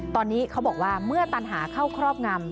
ตอนนี้เขาบอกว่าเมื่อตันหาเข้าครอบงำ